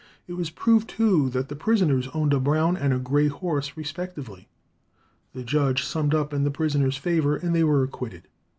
It was proved too that the prisoners owned a brown and a gray horse respectively. The judge summed up in the prisoners' favour, and they were acquitted.